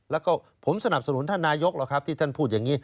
แล้วก็ผมสนับสนุนท่านนายกหรอกครับที่ท่านพูดอย่างนี้